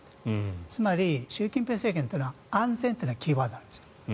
つまり習近平政権というのは安全というのがキーワードなんです。